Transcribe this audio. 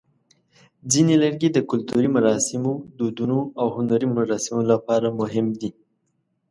ځینې لرګي د کلتوري مراسمو، دودونو، او هنري مراسمو لپاره مهم دي.